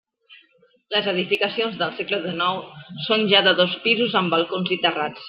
Les edificacions del segle dènou són ja de dos pisos amb balcons i terrats.